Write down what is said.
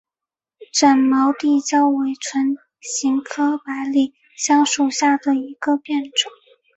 展毛地椒为唇形科百里香属下的一个变种。